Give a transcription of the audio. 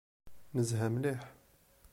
Nezha mliḥ.